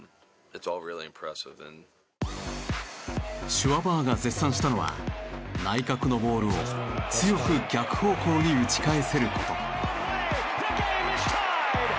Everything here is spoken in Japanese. シュワバーが絶賛したのは内角のボールを強く逆方向に打ち返せる事。